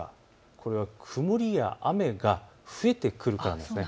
これは曇りや雨が増えてくるからなんです。